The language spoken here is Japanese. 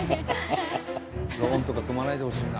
ローンとか組まないでほしいな。